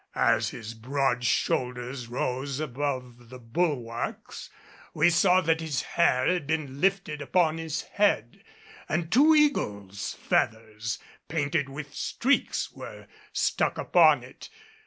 As his broad shoulders rose above the bulwarks, we saw that his hair had been lifted upon his head, and two eagle's feathers painted with streaks were stuck upon it.